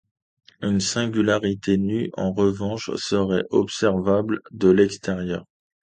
Une singularité nue, en revanche, serait observable de l'extérieur.